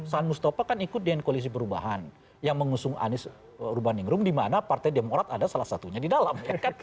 salmustofa kan ikut dnkb yang mengusung anas urban ingrum di mana partai demokrat ada salah satunya di dalam